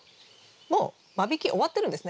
もう間引き終わってるんですね。